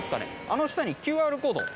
あの下にＱＲコード。